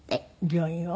病院を？